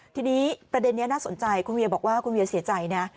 ทีนี้ประเด็นนี้น่าสนใจคุณเวียบอกว่าคุณเวียเสียใจนะ